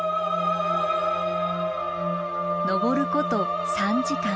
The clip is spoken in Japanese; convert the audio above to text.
登ること３時間。